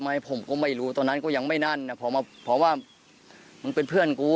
ผมก็ไม่รู้ตอนนั้นก็ยังไม่นั่นพอว่ามึงเป็นเพื่อนกู